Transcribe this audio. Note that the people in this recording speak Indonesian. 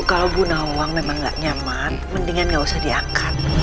kalau gunawang memang gak nyaman mendingan gak usah diangkat